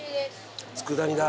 佃煮だ。